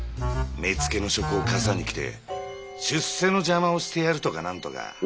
目付の職を笠に着て出世の邪魔をしてやるとかなんとか。